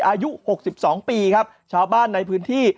อายุ๖๒ปีครับชาวบ้านในพื้นที่